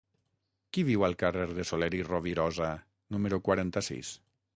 Qui viu al carrer de Soler i Rovirosa número quaranta-sis?